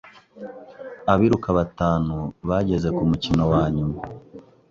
Abiruka batanu bageze kumukino wanyuma.